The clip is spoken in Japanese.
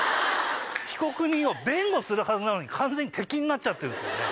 被告人を弁護するはずなのに完全に敵になっちゃってる。